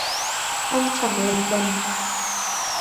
Anh chẳng lầm bầm